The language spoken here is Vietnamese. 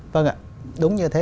vâng ạ đúng như thế